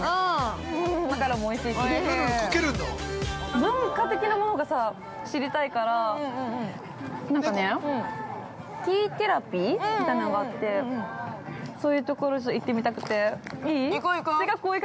◆文化的なものが知りたいから、なんかね、ティーテラピーみたいなのがあって、そういうところちょっと行ってみたくて。